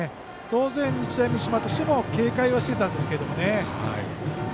当然、日大三島としても警戒はしていたんですけど。